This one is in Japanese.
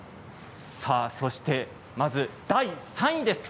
そしてまず第３位です。